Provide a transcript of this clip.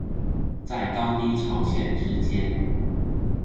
在高低潮線之間